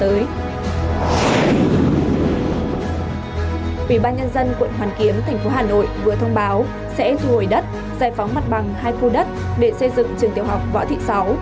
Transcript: ủy ban nhân dân quận hoàn kiếm thành phố hà nội vừa thông báo sẽ thu hồi đất giải phóng mặt bằng hai khu đất để xây dựng trường tiểu học võ thị sáu